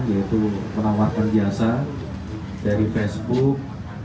yaitu penawar penjasa dari facebook